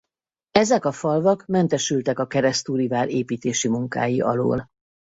Ezek a falvak mentesültek a keresztúri vár építési munkái alól.